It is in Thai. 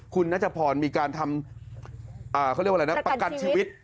คุณนัชพรมีการทำเขาเรียกว่าอะไรนะประกันชีวิต